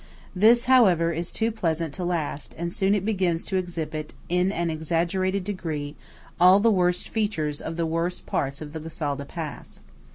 This, however, is too pleasant to last; and soon it begins to exhibit in an exaggerated degree all the worst features of the worst parts of the Gosalda pass.